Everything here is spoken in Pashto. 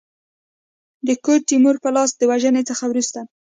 د ګوډ تیمور په لاس د وژني څخه وروسته.